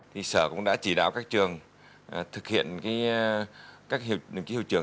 thị sở cũng đã chỉ đáo các trường thực hiện các hiệu trường